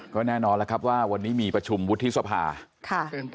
ก็แน่นอนแล้วครับว่าวันนี้มีประชุมวุฒิสภาค่ะ